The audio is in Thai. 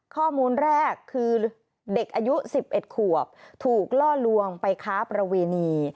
ข้อมูลแรกคือเด็กอายุ๑๑ขวบถูกล่อลวงไปค้าประเวณี